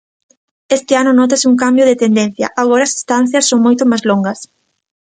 Este ano nótase un cambio de tendencia, agora as estancias son moito máis longas.